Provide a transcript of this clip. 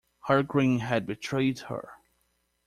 Her grin had betrayed her.